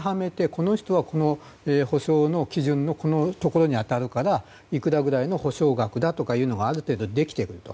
この人は、この補償の基準のこのところに当たるからいくらぐらいの補償額だというのはある程度できてくると。